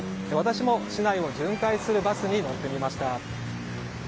私も市内を巡回するバスに乗ってみました。